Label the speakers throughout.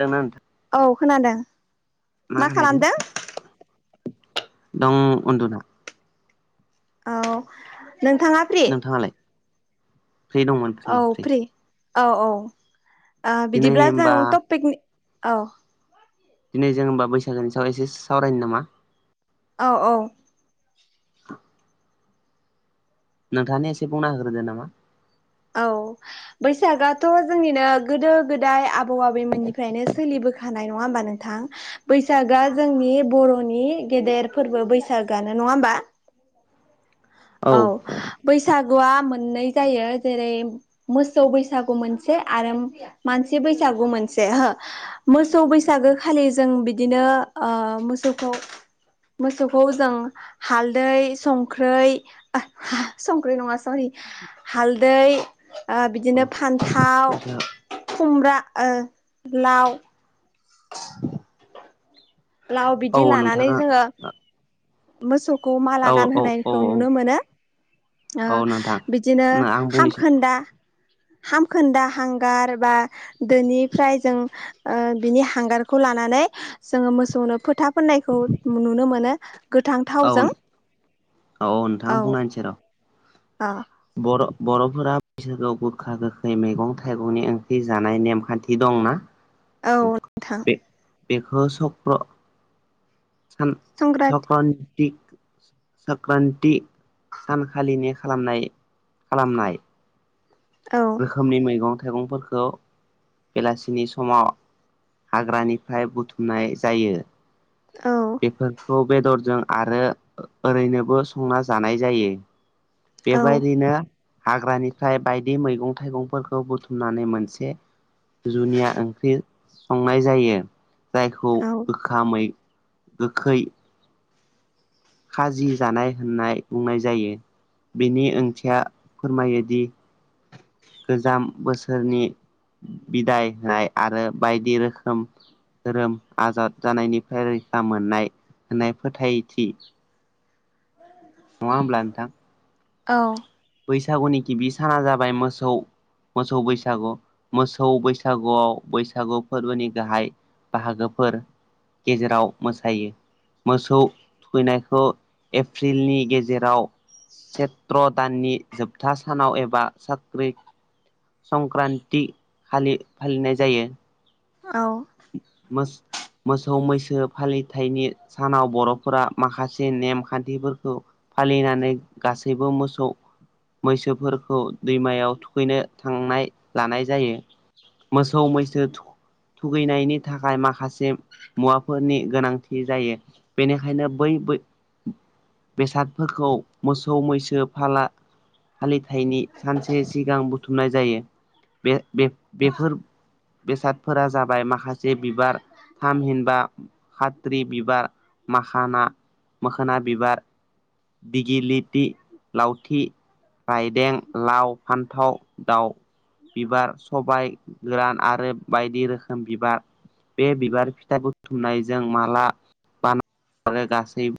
Speaker 1: दोंना नोंथां
Speaker 2: औ खोनादों
Speaker 1: मा खालायदों। दं उन्दुना।
Speaker 2: औ नोंथाङा। फ्रि
Speaker 1: नोंथाङालाय?
Speaker 2: औ फ्रि औ औ
Speaker 1: दिनै
Speaker 2: बिदिब्ला
Speaker 1: होमबा
Speaker 2: जों टपिकनि औ।
Speaker 1: दिनै जों होमबा बैसागोनि सायाव एसे सावरायनो नामा?
Speaker 2: अ अ औ।
Speaker 1: नोंथाङानो एसे बुंना होग्रोदो नामा
Speaker 2: औ बैसागआथ' जोंनिनो गोदो गोदाय आबौ आबैमोननिफ्रायनो सोलिबोखायो हानाय नङा होमबा नोंथां बैसागआ जोंनि बर'नि गेदेर फोरबो बैसागोआनो नङा होमबा औ बैसागुआ मोननै जायो जेरै मोसौ बैसागु मोनसे आरो मानसि बैसागु मोनसे। मोसौ बैसागो खालि जों बिदिनो अ मोसौखौ मोसौखौ जों हालदै संख्रै संख्रि नङा सरि हालदै। बिदिनो फान्थाव
Speaker 1: बैसाग
Speaker 2: खुमब्रा ओ लाव। बाव
Speaker 1: औ
Speaker 2: बिदि लानानै
Speaker 1: नोंथाङा
Speaker 2: जोङो मोसौखौ माला
Speaker 1: औ औ औ
Speaker 2: गानहोनायखौ नुनो मोनो
Speaker 1: औ नोंथां
Speaker 2: बिदिनो
Speaker 1: आं बुंनोसै
Speaker 2: हामखोन्दा हामखोन्दा हांगार बा दोनिफ्राय जों बिनि हांगारखौ लानानै जोङो मोसौनो फोथाब फाननायखौ नुनो मोनो गोथां
Speaker 1: औ
Speaker 2: थावजों
Speaker 1: नोंथां
Speaker 2: औ
Speaker 1: बुंना होनोसै र'
Speaker 2: अ
Speaker 1: बर' बर'फोरा बैसागआव गोखा गोखै मैगं थाइगंनि ओंख्रि जानाय नेमखान्थि दंना
Speaker 2: औ नोंथां
Speaker 1: बे बेखौ सक्र सान [unintelligible]
Speaker 2: संक्रान्ति
Speaker 1: सक्रान्ति सानखालिनि खालामनाय खालामनाय
Speaker 2: औ
Speaker 1: रोखोमनि मैगं थाइगंफोरखौ बेलासिनि समाव हाग्रानिफ्राय बुथुमनाय जायो
Speaker 2: औ
Speaker 1: बेफोरखौ बेदरजों आरो ओरैनोबो संना जानाय जायो
Speaker 2: औ
Speaker 1: बेबायदिनो हाग्रानिफ्राय बायदि मैगं थाइगंफोरखौ बुथुमनानै मोनसे जुनिया ओंख्रि संनाय जायो जायखौ
Speaker 2: औ
Speaker 1: गोखामै गोखै खाजि जानाय होननाय बुंनाय जायो बेनि ओंथिया फोरमायोदि गोजाम बोसोरनि बिदाय होनाय आरो बायदि रोखोम धोरोम आजाद जानायनिफ्राय रैखा मोननाय होननाय फोथायथि नङा होमब्ला नोंथां
Speaker 2: औ
Speaker 1: बैसागुनि गिबि साना जाबाय मोसौ मोसौ बैसागु मोसौ बैसागुआव बैसागु फोरबोनि गाहाय बाहागोफोर गेजेराव मोसायो मोसौ थुखैनायखौ एप्रिलनि गेजेराव सेत्र दाननि जोबथा सानाव एबा साख्रि संक्रान्ति खालि फालिनाय जायो
Speaker 2: औ
Speaker 1: मोसौ मैसो फालिथायनि सानाव बर'फोरा माखासे नेमखान्थिफोरखौ फालिनानै गासैबो मोसौ मैसोफोरखौ दैमायाव थुखैनो थांनाय लानाय जायो मोसौ मैसो थुगैनायनि थाखाय माखासे मुवाफोरनि गोनांथि जायो बेनिखायनो बै ब बेसादफोरखौ मोसौ मैसो फाला फालिथायनि सानसे सिगां बुथुमनाय जायो बे-बेफोर बेसादफोरा जाबाय माखासे बिबार थाम हिनबा खााथ्रि बिबार माखाना मोखोना बिबार दिजिलिटि लावथि रायदें, लाव, फान्थाव, दाउ, बिबार सबाय, गोरान आरो बायदि रोखोम बिबार बे बिबार फिथाइ बुथुमनायजों माला बान आरो गासै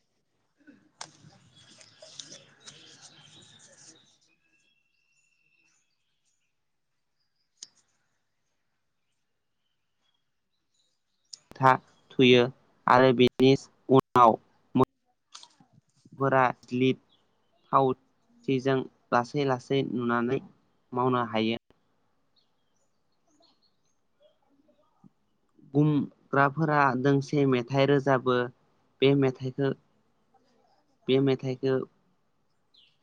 Speaker 1: था थुयो आरो बेनि उनाव फोरा [unintelligible] लासै लासै नुनानै मावनो हायो बुंग्राफोरा दोंसे मेथाइ रोजाबो बे मेथाइखो बे मेथाइखौ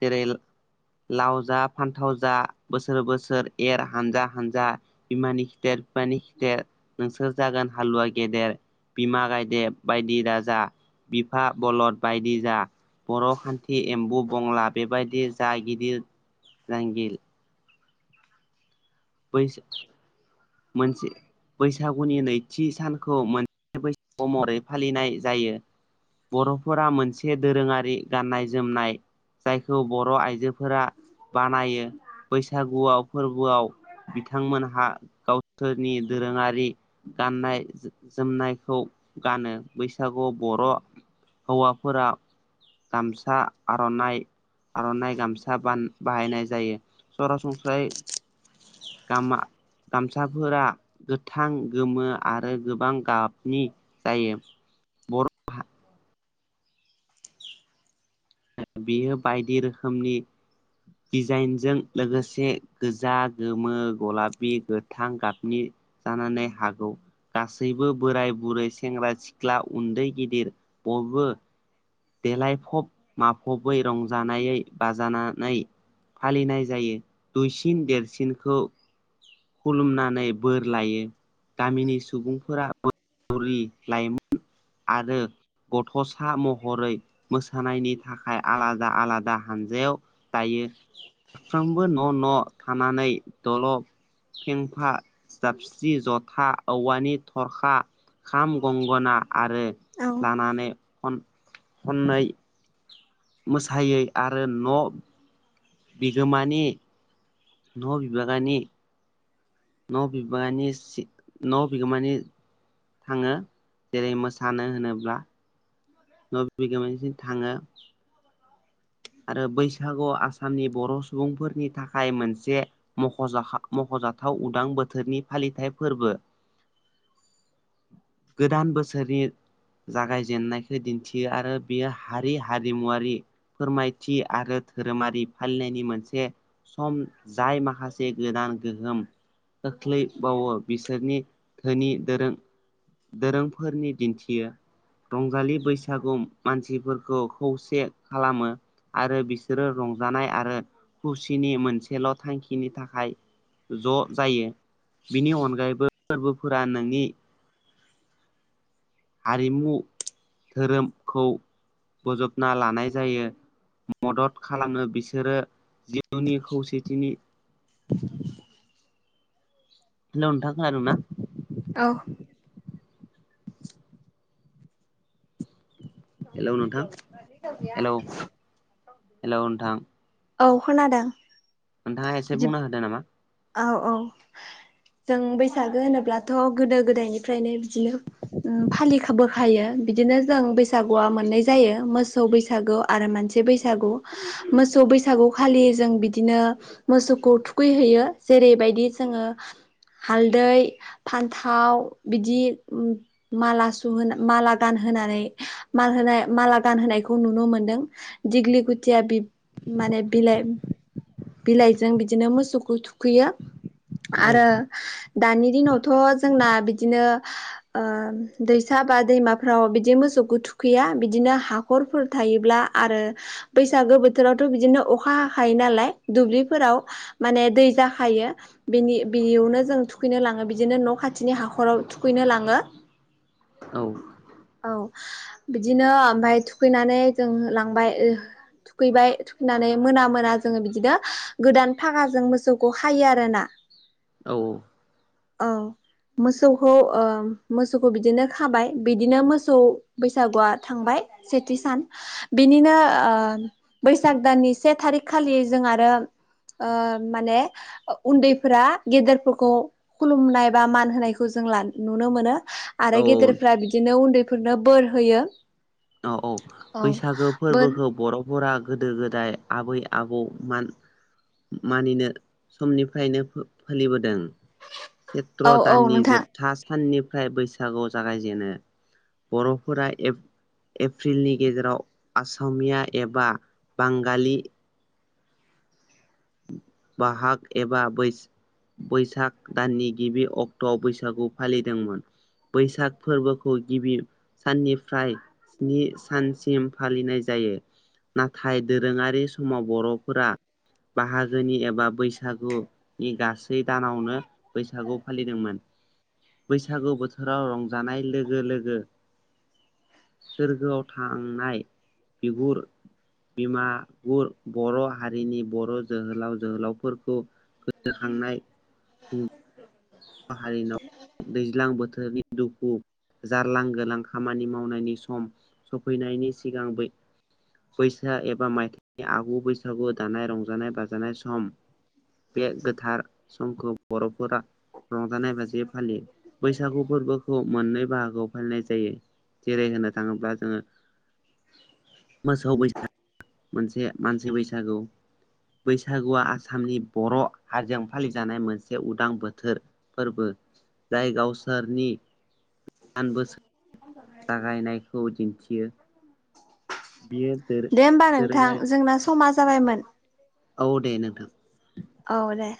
Speaker 1: जेरेल लाव, जा फान्थाव, जा बोसोर बोसोर एर हानजा हानजा बिमानि खिथेर बिफानि खिथेर नोंसोर जागोन हालुवा गेदेर बिमा गायदेब बायदि राजा बिफा बलद बायदि जा बर' खान्थि एम्बु, बंला बेबायदि जा गिदिर नांगिल बैसो मोनसे बैसागुनि नैथि सानखौ मोनसे बैसागु, महरै फालिनाय जायो। बर'फोरा मोनसे दोरोङारि गाननाय जोमनाय। जायखौ बर' आइजोफोरा बानायो बैसागुआव फोरबोआव बिथांमोनहा गावसोरनि दोरोङारि गाननाय जोजोमनायखौ गानो बैसागु बर' हौवाफोरा गामसा आर'नाइ आर'नाइ गामसा बान बाहायनाय जायो। सरासनस्रायै गामा गामसाफोरा गोथां गोमो आरो गोबां गाबनि जायो। बियो बायदि रोखोमनि दिजाइनजों लोगोसे गोजा गोमो गलाफि गोथां गाबनि जानानै हागौ। गासैबो बोराय बुरै सेंग्रा सिख्ला उन्दै गिदिर बयबो देलायफब माफबै रंजानायै बाजानानै फालिनाय जायो दुइसिन देरसिनखौ खुलुमनानै बोर लायो। गामिनि सुबुंफोरा बुरि, लाइमोन आरो गथ'सा महरै मोसानायनि थाखाय आलादा आलादा हानजायाव दायो साफ्रोमबो न' न' थानानै दल फेंफा जाबस्रि ज'था औवानि थरखा खाम गंगना आरो
Speaker 2: औ
Speaker 1: लानानै खन खननै मोसायै आरो न' बिगोमानि न' बिभागानि न' बिबानि सिग न' बिगोमानि थाङो जेरै मोसानो होनोब्ला न' बिगोमानिसिम थाङो आरो बैसागु आसामनि बर' सुबुंफोरनि थाखाय मोनसे मख'जाखा मख'जाथाव उदां बोथोरनि फालिथाय फोरबो। गोदान बोसोरनि जागायजेननायखौ दिन्थियो आरो बियो हारि हारिमुवारि। फोरमायथि आरो धोरोमारि फालिनायनि मोनसे सम जाय माखासे गोदान गोहोम खोख्लैबावो बिसोरनि धोनि दोरों दोरोंफोरनि दिन्थियो रंजालि बैसागु मानसिफोरखौ खौसे खालामो आरो बिसोरो रंजानाय आरो खुसिनि मोनसेल' थांखिनि थाखाय ज' जायो बिनि अनगायैबो फोरबोफोरा नोंनि हारिमु धोरोमखौ बोजबना लानाय जायो मदद खालामनो बिसोरो जिउनि खौसेथिनि हेल' नोंथां खोनादोंना
Speaker 2: औ
Speaker 1: हेलौ नोंथां हेलौ हेल' नोंथां
Speaker 2: औ खोनादों
Speaker 1: नोंथाङा एसे
Speaker 2: बिदि
Speaker 1: बुंनो होदो नामा
Speaker 2: औ औ जों बैसागो होनोब्लाथ' गोदो गोदायनिफ्रायनो बिदिनो फालिखबोखायो बिदिनो जों बैसाग सागुआ मोननै जायो मोसौ बैसागु आरो मानसि बैसागु मोसौ बैसागु खालि जों बिदिनो मोसौखौ थुखैहैयो जेरैबायदि जोङो हालदै फान्थाव बिदि माला सुहोना माला गानहोनानै माल होनाय माला गानहोनायखौ नुनो मोनदों दिग्लि गुथिया बिब माने बिलाइ बिलाइजों बिदिनो मोसौखौ थुखैयो
Speaker 1: औ
Speaker 2: आरो दानि दिनावथ' जोंना बिदिनो ओ दैसा बा दैमाफ्राव बिदि मोसौखौ थुखैया बिदिनो हा हाखरफोर थायोब्ला आरो बैसागो बोथोरावथ' बिदिनो अखा हाखायो नालाय दुब्लिफोराव माने दै जाखायो बिनि बियावनो जों थुखैनो लाङो बिदिनो न' खाथिनि हाखराव थुखैनो लाङो
Speaker 1: औ
Speaker 2: औ बिदिनो ओमफ्राय थुखैनानै जों लांबाय थुखैबाय थुखैनानै मोना मोना जोङो बिदिनो गोदान फागाजों मोसौखौ खायो आरो ना
Speaker 1: औ औ
Speaker 2: औ मोसौखौ ओ मोसौखौ बिदिनो खाबाय बिदिनो मोसौ बैसागुआ थांबाय सेथि सान बिनिनो ओ बैसाग दाननि से थारिख खालि जों आरो ओ माने उन्दैफोरा गेदेरफोरखौ खुलुमनाय बा मान होनायखौ जों ला नुनो मोनो आरो
Speaker 1: औ
Speaker 2: गेदेरफ्रा बिदिनो उन्दैफोरनो बोर होयो
Speaker 1: औ औ
Speaker 2: औ
Speaker 1: बैसागो
Speaker 2: बोर
Speaker 1: फोरबोखौ बर'फोरा गोदो गोदाय आबै आबौ मान मानिनो समनिफ्रायनो फो-फालिबोदों सेत्र'
Speaker 2: औ औ
Speaker 1: दाननि
Speaker 2: नोंथां
Speaker 1: जोबथा साननिफ फ्राय बैसागु जागायजेनो बर'फोरा एप एप्रिलनि गेजेराव आसामिया एबा बांगालि बाहाग एबा बैस बैसाग दाननि गिबि अक्ट'आव बैसागु फालिदोंमोन बैसाग फोरबोखौ गिबि साननिफ्राय स्नि सानसिम फालिनाय जायो। नाथाय दोरोङारि समाव बर'फोरा बाहागोनि एबा बैसागु नि गासै दानावनो बैसागु फालिदोंमोन। बैसागु बोथोराव रंजानाय लोगो लोगो सोरगोआव थांनाय बिगुर बिमा गुर बर' हारिनि बर' जोहोलाव जोहोलावफोरखौ गोसोखांनाय हारिनाव दैज्लां बोथोरनि दुखु जारलां गोलां खामानि मावनायनि सम सफैनायनि सिगां बै बैसाग एबा मायथाइनि आगु बैसागु दानाय रंजानाय बाजानाय सम बे गोथार समखौ बर'फोरा रंजानाय बाजायै फालियो बैसागु फोरबोखौ मोननै बाहागोआव फालिनाय जायो। जेरै होनो थाङोब्ला जोङो मोसौ बैसाग मोनसे मानसि बैसागु बैसागुआ आसामनि बर' हारिजों फालिजानाय मोनसे उदां बोथोर। फोरबो जाय गावसोरनि दान बोसोर जागायनायखौ दिन्थियो। बियो
Speaker 2: दे होमबा नोंथां
Speaker 1: दोरोङारि
Speaker 2: जोंना समा जाबायमोन।
Speaker 1: औ दे नोंथां
Speaker 2: औ दे।